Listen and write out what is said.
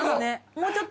もうちょっと。